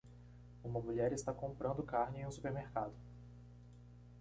Uma mulher está comprando carne em um supermercado.